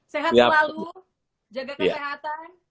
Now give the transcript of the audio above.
sehat selalu jaga kesehatan